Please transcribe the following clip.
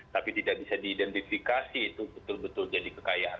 tapi tidak bisa diidentifikasi itu betul betul jadi kekayaan